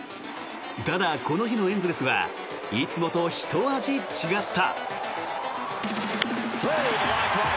ただこの日のエンゼルスはいつもとひと味違った。